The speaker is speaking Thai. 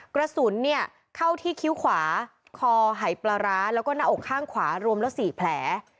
กระสุนเข้าที่คิ้วขวาคอหายปลาร้าแล้วก็หน้าอกข้างขวารวมแล้ว๔แผล